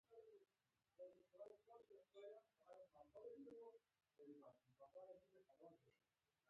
هغه زما ويښته په ګوتو ږمنځوي.